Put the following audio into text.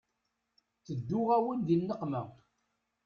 Tedduɣ-awen di nneqma.